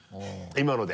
今ので？